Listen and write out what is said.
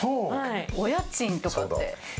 お家賃とかって？